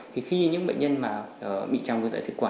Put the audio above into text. thì khi những bệnh nhân mà bị trào ngược dạ dày thực quả